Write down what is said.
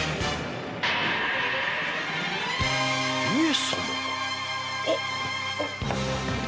上様！